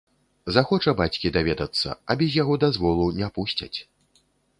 Захоча бацькі даведацца, а без яго дазволу не пусцяць.